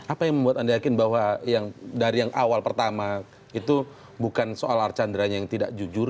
apa yang membuat anda yakin bahwa yang dari yang awal pertama itu bukan soal archandranya yang tidak jujur